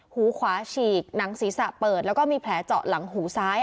หูขวาฉีกหนังศีรษะเปิดแล้วก็มีแผลเจาะหลังหูซ้าย